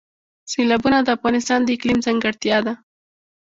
سیلابونه د افغانستان د اقلیم ځانګړتیا ده.